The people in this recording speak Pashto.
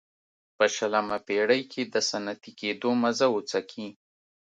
په شلمه پېړۍ کې د صنعتي کېدو مزه وڅکي.